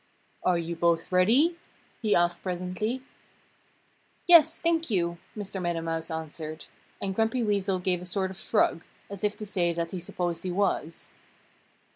"Are you both ready?" he asked presently. "Yes, thank you!" Mr. Meadow Mouse answered. And Grumpy Weasel gave a sort of shrug, as if to say that he supposed he was.